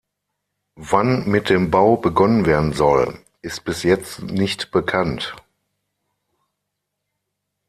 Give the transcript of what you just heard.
Wann mit dem Bau begonnen werden soll, ist bis jetzt nicht bekannt.